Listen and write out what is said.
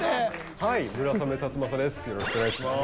はい村雨辰剛です。